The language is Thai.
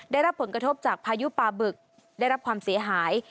ได้รับผลกระทบจากพายุปลาบึกได้รับความเสียหาย